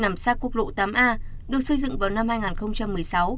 nằm sát quốc lộ tám a được xây dựng vào năm hai nghìn một mươi sáu